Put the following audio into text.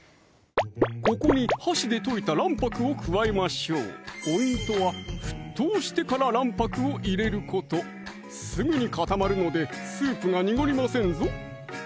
ここに箸で溶いた卵白を加えましょうポイントは沸騰してから卵白を入れることすぐに固まるのでスープが濁りませんぞ